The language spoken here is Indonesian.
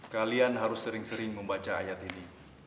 kalian harus sering sering membaca ayat ini